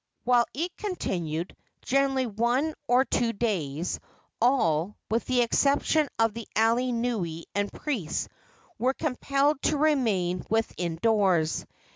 While it continued generally one or two days all, with the exception of the alii nui and priests, were compelled to remain within doors.